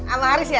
amal haris ya